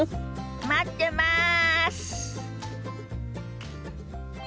待ってます！